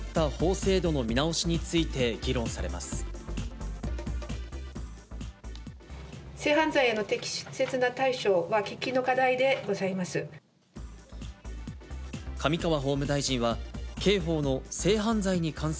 性犯罪への適切な対処は喫緊の課題でございます。